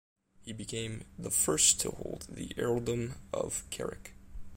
He became the first to hold the Earldom of Carrick.